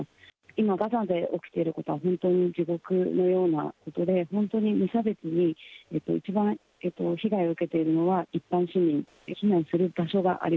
今、ガザで起きていることは、本当に地獄のようなことで、本当に無差別に、一番被害を受けているのは一般市民。